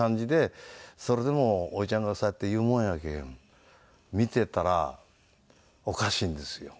それでも叔父ちゃんがそうやって言うもんやけん見てたらおかしいんですよ。